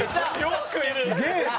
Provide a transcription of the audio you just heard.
すげえな！